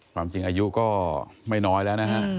ความจริงอายุก็ไม่น้อยแล้วนะฮะ